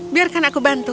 biarkan aku bantu